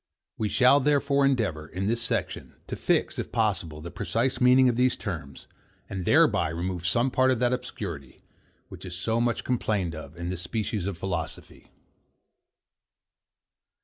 We shall, therefore, endeavour, in this section, to fix, if possible, the precise meaning of these terms, and thereby remove some part of that obscurity, which is so much complained of in this species of philosophy.